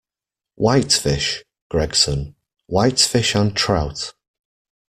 Whitefish, Gregson, whitefish and trout.